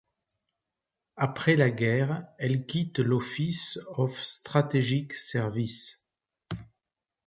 Après la guerre, elle quitte l'Office of Strategic Services.